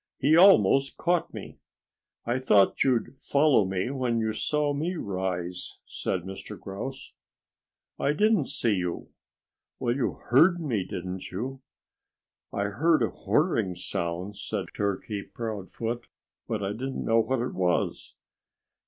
He almost caught me." "I thought you'd follow me when you saw me rise," said Mr. Grouse. "I didn't see you." "Well, you heard me, didn't you?" "I heard a whirring sound," said Turkey Proudfoot, "but I didn't know what it was."